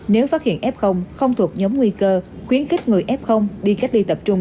nếu phát hiện f không thuộc nhóm nguy cơ khuyến khích người f đi cách ly tập trung